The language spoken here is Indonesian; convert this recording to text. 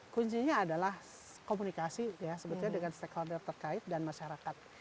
kuncinya adalah komunikasi dengan stakeholder terkait dan masyarakat